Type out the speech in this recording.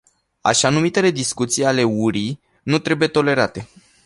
Așa-numitele discuții ale urii nu trebuie tolerate.